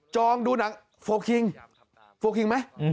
องดูหนังโฟลคิงโฟลคิงไหม